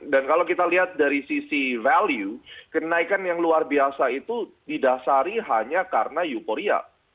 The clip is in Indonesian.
dan kalau kita lihat dari sisi value kenaikan yang luar biasa itu didasari hanya karena euphoria